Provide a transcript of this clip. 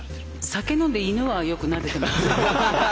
酒飲んで犬はよくなでてます。